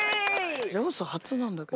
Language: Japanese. ラオス初なんだけど。